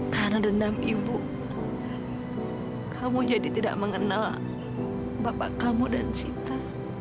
karena dendam ibu kamu jadi tidak mengenal bapak kamu dan sita